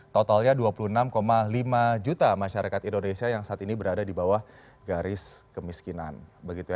totalnya dua puluh enam lima juta masyarakat indonesia yang saat ini berada di bawah garis kemiskinan begitu ya